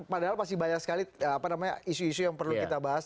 padahal masih banyak sekali isu isu yang perlu kita bahas